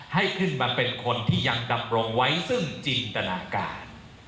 ให้ขึ้นมาเป็นคนที่ยังดำรงไว้ซึ่งจินตนาการ